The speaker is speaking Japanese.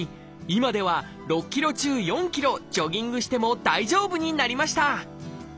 今では６キロ中４キロジョギングしても大丈夫になりました！